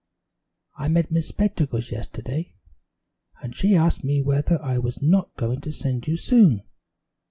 I met Miss Spectacles yesterday, and she asked me whether I was not going to send you soon.